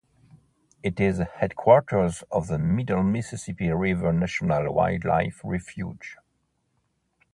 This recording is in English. It is the headquarters of the Middle Mississippi River National Wildlife Refuge.